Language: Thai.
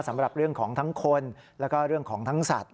สำหรับเรื่องของทั้งคนแล้วก็เรื่องของทั้งสัตว